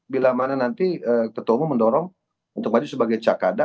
bila mana nanti ketua umum mendorong untuk maju sebagai cakada